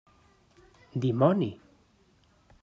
Dimoni!